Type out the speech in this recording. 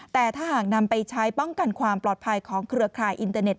แต่ถ้าหากนำไปใช้ป้องกันความปลอดภัยของเครือข่ายอินเตอร์เน็